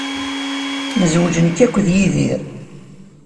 Nezweǧ nekk akked Yidir.